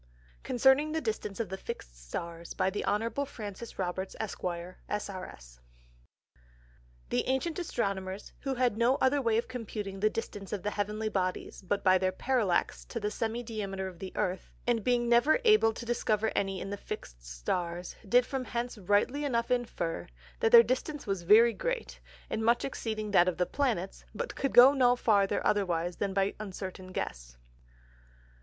Concerning the Distance of the Fix'd Stars. By the Honourable Francis Roberts, Esq; S. R. S. The Ancient Astronomers, who had no other way of computing the Distances of the Heavenly Bodies, but by their Parallax to the Semi diameter of the Earth; and being never able to discover any in the fix'd Stars, did from thence rightly enough infer, that their Distance was very great, and much exceeding that of the Planets, but could go no farther otherwise than by uncertain guess.